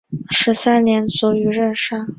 十三年卒于任上。